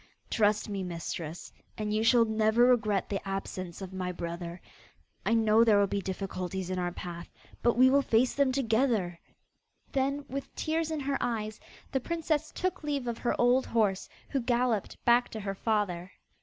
Trust me, mistress, and you shall never regret the absence of my brother. I know there will be difficulties in our path, but we will face them together.' Then, with tears in her eyes, the princess took leave of her old horse, who galloped back to her father.